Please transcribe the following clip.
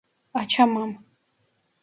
Açamam.